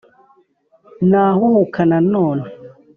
nahuhuka noneho